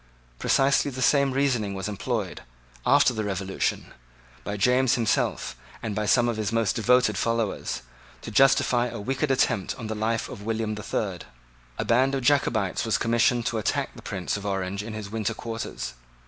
Precisely the same reasoning was employed, after the Revolution, by James himself and by some of his most devoted followers, to justify a wicked attempt on the life of William the Third. A band of Jacobites was commissioned to attack the Prince of Orange in his winter quarters.